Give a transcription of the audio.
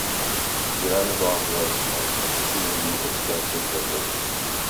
Uraniborg was an extremely expensive project.